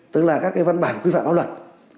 tức là các cái văn bản quy phạm áp luận